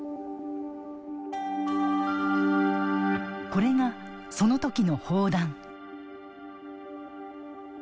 これがその時の砲弾。